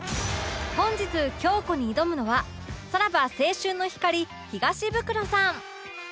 本日京子に挑むのはさらば青春の光東ブクロさん